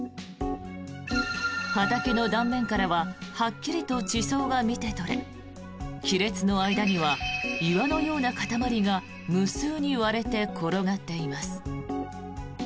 畑の断面からははっきりと地層が見て取れ亀裂の間には岩のような塊が無数に割れて転がっています。